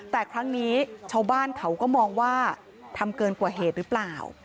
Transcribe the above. แต่ครั้งนี้ชาวบ้านเขาก็มองว่าทำเกินกว่าเหตุหรือเปล่า